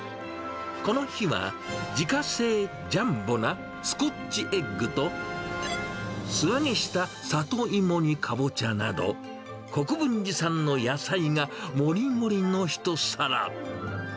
この日は、自家製ジャンボなスコッチエッグと、素揚げしたサトイモにカボチャなど、国分寺産の野菜がもりもりの一皿。